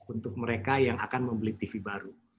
untuk mereka yang akan membeli tv baru